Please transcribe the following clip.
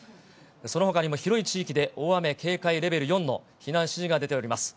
そのほかにも広い地域で大雨警戒レベル４の避難指示が出ております。